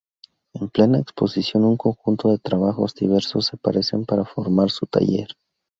En plena exposición, un conjunto de trabajos diversos se parecen para formar su taller.